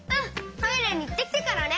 トイレにいってきてからね。